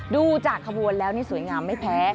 ดูจากขบวนแล้วนี่สวยงามไม่แพ้